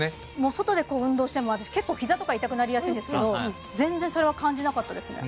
外で運動しても私結構膝とか痛くなりやすいんですけど全然それは感じなかったですね